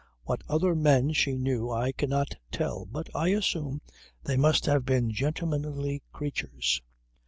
What other men she knew I cannot tell but I assume they must have been gentlemanly creatures.